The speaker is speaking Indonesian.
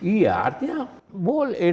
iya artinya boleh